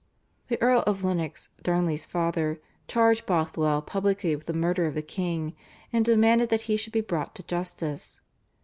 The Earl of Lennox, Darnley's father, charged Bothwell publicly with the murder of the king and demanded that he should be brought to justice.